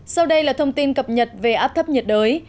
sau đây là thông tin cập nhật về áp thấp nhiệt đới